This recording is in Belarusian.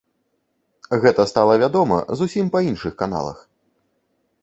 Гэта стала вядома зусім па іншых каналах.